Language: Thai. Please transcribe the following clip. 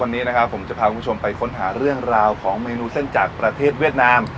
วันนี้นะครับผมจะพาคุณผู้ชมไปค้นหาเรื่องราวของเมนูเส้นจากประเทศเวียดนาม